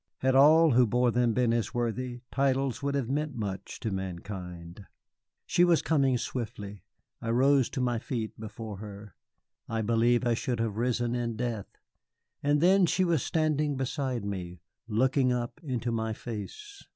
Had all who bore them been as worthy, titles would have meant much to mankind. She was coming swiftly. I rose to my feet before her. I believe I should have risen in death. And then she was standing beside me, looking up into my face.